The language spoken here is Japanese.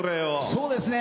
そうですね。